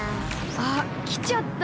あっきちゃった。